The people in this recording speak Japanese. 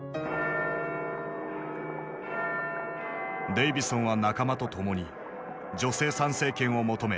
デイヴィソンは仲間と共に女性参政権を求め